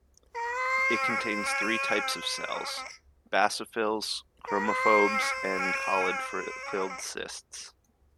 It contains three types of cells - basophils, chromophobes, and colloid-filled cysts.